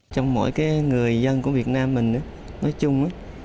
trong mỗi người dân của việt nam mình nói chung